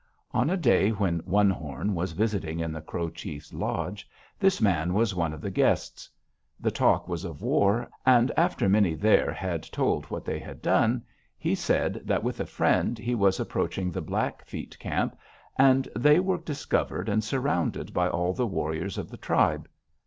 "On a day when One Horn was visiting in the Crow chief's lodge, this man was one of the guests. The talk was of war, and after many there had told what they had done, he said that, with a friend, he was approaching the Blackfeet camp, and they were discovered and surrounded by all the warriors of the tribe.